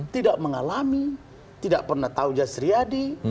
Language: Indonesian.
tidak mengalami tidak pernah tahu jasriyadi